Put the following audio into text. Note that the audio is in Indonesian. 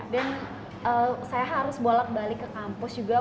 dan saya harus bolak balik ke kampus juga